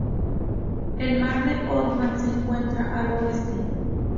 El mar de Omán se encuentra al oeste.